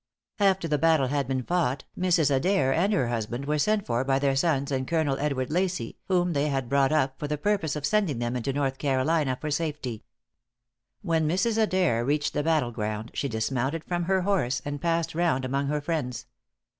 After the battle had been fought, Mrs. Adair and her husband were sent for by their sons and Colonel Edward Lacy, whom they had brought up, for the purpose of sending them into North Carolina for safety. When Mrs. Adair reached the battle ground, she dismounted from her horse, and passed round among her friends.